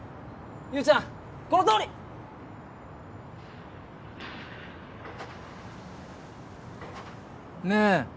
ゆーちゃんこのとおりねえ